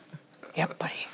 やっぱり。